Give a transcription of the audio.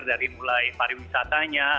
dari mulai pariwisatanya